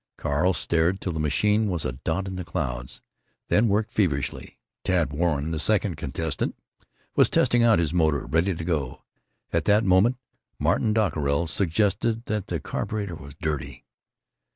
Carl stared till the machine was a dot in the clouds, then worked feverishly. Tad Warren, the second contestant, was testing out his motor, ready to go. At that moment Martin Dockerill suggested that the carburetor was dirty.